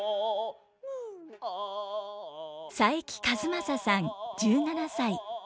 佐伯和正さん１７歳。